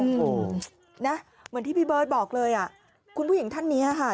โอ้โหนะเหมือนที่พี่เบิร์ตบอกเลยอ่ะคุณผู้หญิงท่านนี้ค่ะ